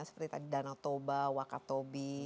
seperti tadi danatoba wakatobi